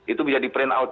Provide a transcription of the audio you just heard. itu bisa di print out